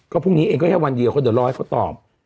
พรุ่งนี้เองก็แค่วันเดียวก็เดี๋ยวรอให้เขาตอบ